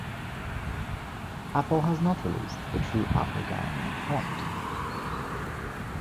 Apple has not released the true Apple Garamond font.